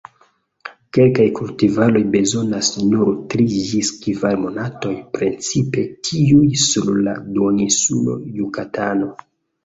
Kelkaj kultivaroj bezonas nur tri ĝis kvar monatoj, precipe tiuj sur la duoninsulo Jukatano.